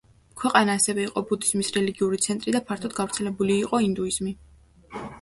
ქვეყანა ასევე იყო ბუდიზმის რელიგიური ცენტრი და ფართოდ გავრცელებული იყო ინდუიზმი.